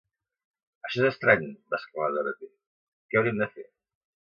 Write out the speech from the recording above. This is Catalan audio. "Això és estrany", va exclamar Dorothy; "Què hauríem de fer?"